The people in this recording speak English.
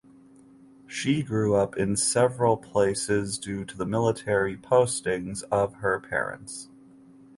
She grew up in several places due to the military postings of her parents.